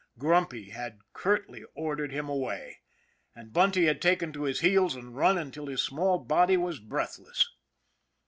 Grumpy had curtly ordered him away, and Bunty had taken to his heels and run until his small body was breathless.